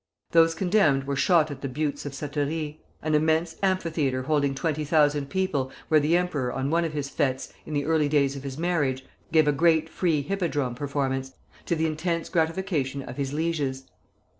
Those condemned were shot at the Buttes of Satory, an immense amphitheatre holding twenty thousand people, where the emperor on one of his fêtes, in the early days of his marriage, gave a great free hippodrome performance, to the intense gratification of his lieges.